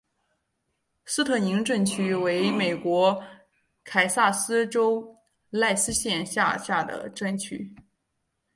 斯特宁镇区为美国堪萨斯州赖斯县辖下的镇区。